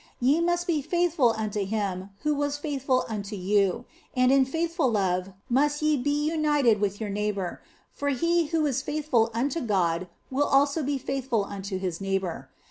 Ye must be faithful unto Him who was faithful unto you, and in faithful love must ye be united with your neighbour, for he who is faithful unto God will also be faithful unto his neighbour.